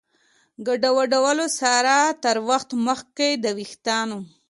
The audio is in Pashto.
ګډوډولو سره تر وخت مخکې د ویښتانو